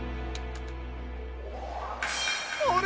あれ？